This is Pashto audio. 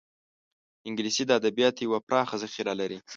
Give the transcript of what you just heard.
انګلیسي د ادبیاتو یوه پراخه ذخیره لري